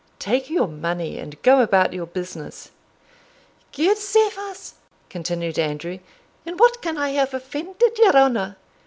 Take your money, and go about your business." "Gude safe us!" continued Andrew, "in what can I hae offended your honour?